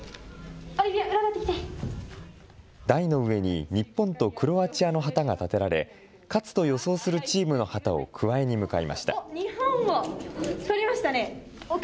台の上に日本とクロアチアの旗が立てられ、勝つと予想するチームの旗をくわえに向かいました。